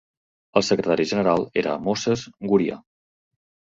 El secretari general era Moses Guria.